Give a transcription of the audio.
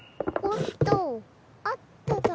おっとと！